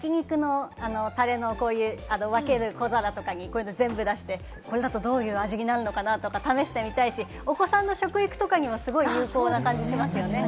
焼き肉のタレの分ける小皿とかに全部出して、これだとどういう味になるのかなとか試してみたいし、お子さんの食育とかにもすごい有効な感じしますよね。